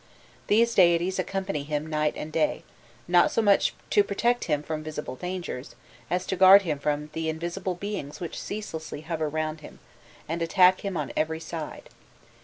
These deities accompany him night and day, not so much to protect him from visible dangers, as to guard him from the invisible beings which ceaselessly hover round him, and attack him on every side.